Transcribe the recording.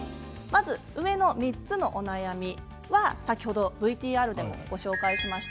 上の３つのお悩みは先ほどＶＴＲでご紹介しました。